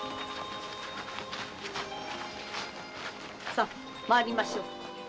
さあ参りましょう。